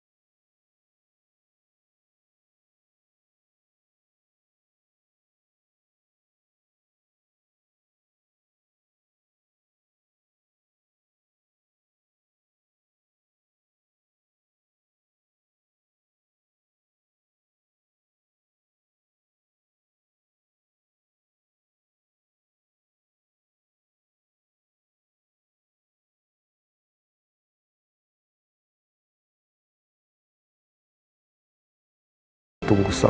selamat tinggal mbak